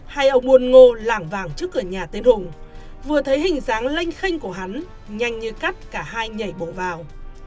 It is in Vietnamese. hai ông nguồn ngô lảng vàng trước cửa nhà tên hùng vừa thấy hình dáng lanh khenh của hắn nhanh như cắt cả hai nhảy bổ vào